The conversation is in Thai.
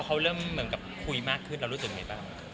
พอเขาเริ่มคุยมากขึ้นเรารู้สึกยังไงบ้าง